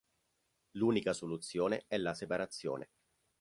L'unica soluzione è la separazione.